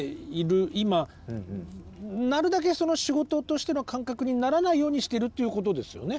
今なるだけ仕事としての感覚にならないようにしてるっていうことですよね。